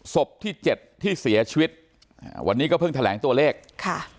ศพที่เจ็ดที่เสียชีวิตอ่าวันนี้ก็เพิ่งแถลงตัวเลขค่ะ